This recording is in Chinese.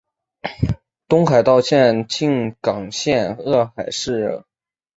东海道线的静冈县热海市热海站至爱知县丰桥市丰桥站的路段。